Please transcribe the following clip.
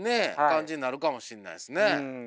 感じになるかもしんないですね。